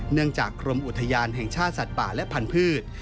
จากกรมอุทยานแห่งชาติสัตว์ป่าและพันธุ์